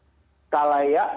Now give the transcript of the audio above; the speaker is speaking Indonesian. dihitungkan oleh kalai